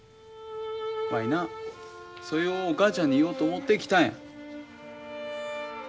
わいなそいをお母ちゃんに言おうと思って来たんや。